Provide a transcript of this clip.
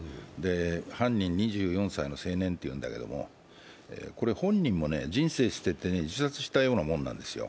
犯人、２４歳の青年っていうんだけども、これ、本人も人生捨てて、自殺したようなもんなんですよ。